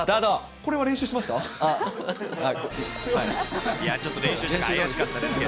これは練習しました？